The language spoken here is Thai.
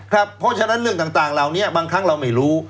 เพราะฉะนั้นเรื่องต่างเหล่านี้บางครั้งเราไม่รู้